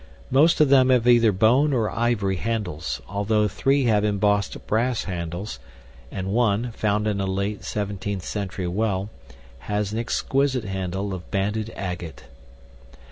Most of them have either bone or ivory handles, although 3 have embossed brass handles; and 1, found in a late 17th century well, has an exquisite handle of banded agate.